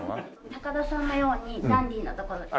高田さんのようにダンディなところです。